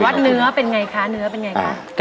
แต่ว่าเนื้อเป็นไงคะ